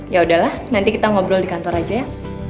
yaudah lah nanti kita ngobrol di kantor aja ya